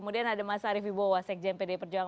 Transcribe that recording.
mas arief ibo wasek jmpd perjuangan